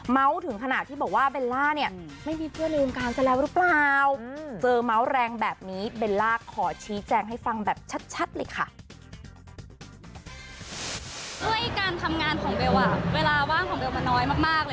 ถึงขนาดที่บอกว่าเบลล่าเนี่ยไม่มีเพื่อนในวงการซะแล้วหรือเปล่าเจอเมาส์แรงแบบนี้เบลล่าขอชี้แจงให้ฟังแบบชัดเลยค่ะ